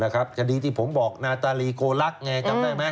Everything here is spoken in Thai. คดีที่ผมบอกนาตาลีโกลักษณ์ไงจำได้ไหม